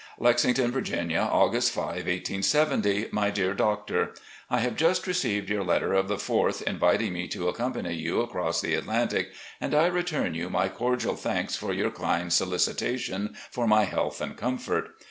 "Lexington, Virginia, August 5, 1870. "My Dear Doctor: I have just received your letter of the 4th inviting me to accompany you across the Atlantic, and I return you my cordial thardcs for your kind solici tation for my health and comfort.